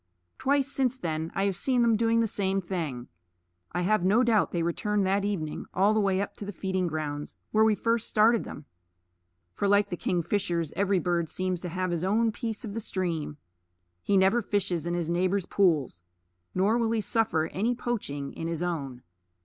Twice since then I have seen them do the same thing. I have no doubt they returned that evening all the way up to the feeding grounds where we first started them; for like the kingfishers every bird seems to have his own piece of the stream. He never fishes in his neighbor's pools, nor will he suffer any poaching in his own.